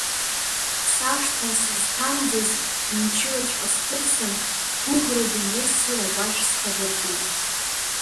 Сашҭа сызҭамӡаз мчылаҵәҟьа сҭырцан, гәыӷра дунеи ссир агәашә схадыртит.